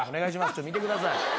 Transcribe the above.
ちょっと見てください。